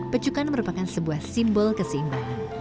pecukan merupakan sebuah simbol keseimbangan